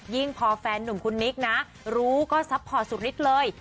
ยิ่งพอแฟนหนุ่มนุ่มคุณนิคนะรู้ก็ซัปพอร์ตสุดนิดเลย